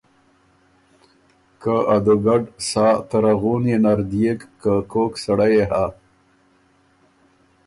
که ا دُوګډ سا تَرَغُونيې نر دئېک که کوک سړئ يې هۀ۔